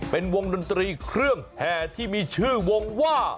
เป็นวงดนตรีเครื่องแห่ที่มีชื่อวงว่า